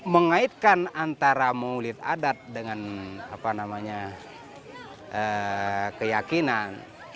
mengaitkan antara maulid adat dengan keyakinan